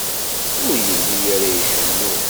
Ur yelli ara icennu.